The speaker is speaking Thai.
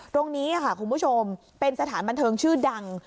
ตรงนี้ค่ะคุณผู้ชมเป็นสถานบันเทิงชื่อดัง